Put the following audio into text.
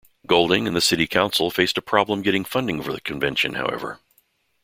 Golding and the city council faced a problem getting funding for the convention, however.